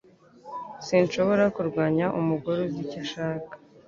Sinshobora kurwanya umugore uzi icyo ashaka.